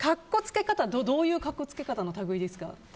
どういう格好つけ方の類いですか？